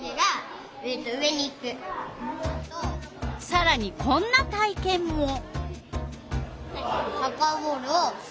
さらにこんな体けんも。